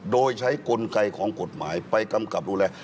โดยใช้กลไกของกฎหมายไปกำกับดูแล